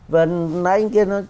nãy anh kia nói